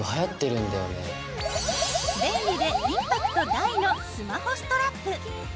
便利でインパクト大のスマホストラップ。